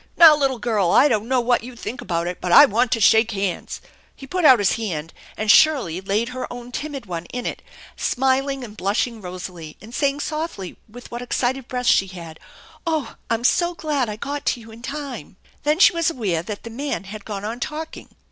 Now, little girl, I don't know what you think about it, but I want to shake hands." He put out his hand and Shirley laid her own timid one in it, smiling and blushing rosily, and saying softly with what 13 194 THE ENCHANTED BARN excited breath she had, " Oh, I'm so glad I got you in time !* Then she was aware that the man had gone on talking.